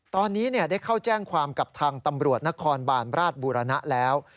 ตอนนี้ได้เข้าแจ้งความกับทางตำรวจนครบานราชบูรณะแล้ว